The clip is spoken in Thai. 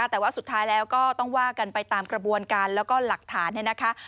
แต่ว่าสุดท้ายแล้วก็ต้องว่ากันไปตามกระบวนการแล้วก็หลักฐานเนี่ยนะคะ